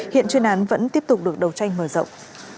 hiện chuyên án vẫn tiếp tục được đầu tranh mở rộng